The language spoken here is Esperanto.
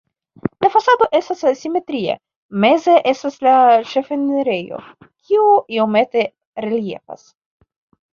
La fasado estas simetria, meze estas la ĉefenirejo, kiu iomete reliefas.